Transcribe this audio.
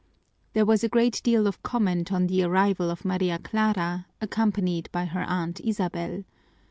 There was a great deal of comment on the arrival of Maria Clara, accompanied by her Aunt Isabel.